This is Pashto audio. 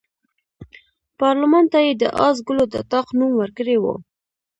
پارلمان ته یې د آس ګلو د اطاق نوم ورکړی وو.